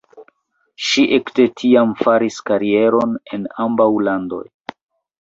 Ŝi ekde tiam faris karieron en ambaŭ landoj.